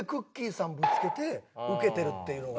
さんぶつけてウケてるっていうのが。